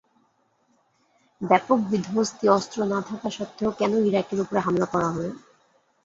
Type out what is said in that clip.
ব্যাপক বিধ্বংসী অস্ত্র না থাকা সত্ত্বেও কেন ইরাকের ওপরে হামলা করা হলো?